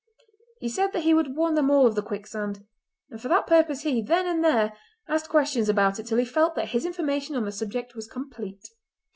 He said that he would warn them all of the quicksand, and for that purpose he, then and there, asked questions about it till he felt that his information on the subject was complete.